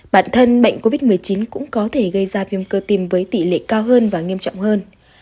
bản thân bệnh covid một mươi chín cũng có thể gây ra viêm cơ tim với tỷ lệ cao hơn và nghiêm trọng hơn